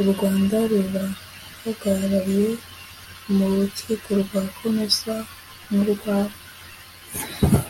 u rwanda rurahagarariwe mu rukiko rwa comesa n'urwa eac